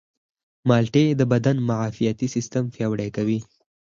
مالټې د بدن معافیتي سیستم پیاوړی کوي.